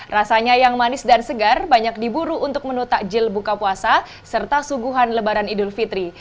rasanya yang manis dan segar banyak diburu untuk menu takjil buka puasa serta suguhan lebaran idul fitri